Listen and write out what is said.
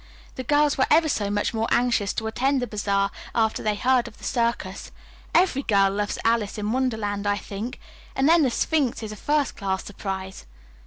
"The girls were ever so much more anxious to attend the bazaar after they heard of the circus. Every girl loves 'Alice in Wonderland,' I think. And then the Sphinx is a first class surprise."